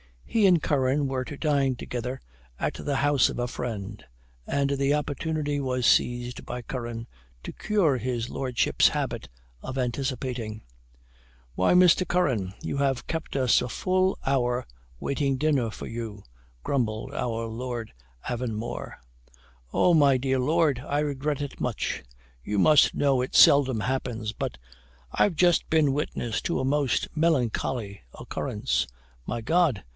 He and Curran were to dine together at the house of a friend, and the opportunity was seized by Curran to cure his lordship's habit of anticipating. "Why, Mr. Curran, you have kept us a full hour waiting dinner for you," grumbled out Lord Avonmore. "Oh, my dear Lord, I regret it much; you must know it seldom happens, but I've just been witness to a most melancholy occurrence." "My God!